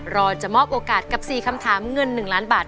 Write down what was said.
รอจะมอบโอกาสกับ๔คำถามเงิน๑ล้านบาท